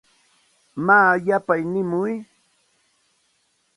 Maa yapay nimuy.